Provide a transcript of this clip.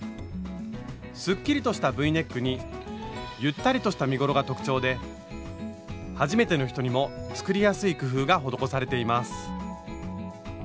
すっきりとしたＶネックにゆったりとした身ごろが特徴ではじめての人にも作りやすい工夫が施されています。